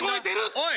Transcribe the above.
おい！